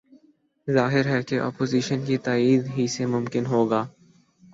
ظاہر ہے کہ یہ اپوزیشن کی تائید ہی سے ممکن ہو گا۔